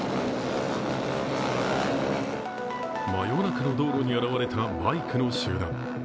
真夜中の道路に現れたバイクの集団。